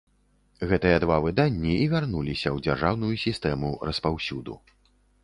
Гэтыя два выданні і вярнуліся ў дзяржаўную сістэму распаўсюду.